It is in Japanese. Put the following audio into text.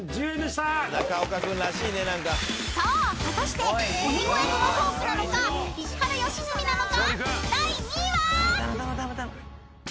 ［さあ果たして鬼越トマホークなのか石原良純なのか］